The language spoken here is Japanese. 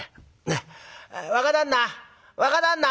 若旦那若旦那！」。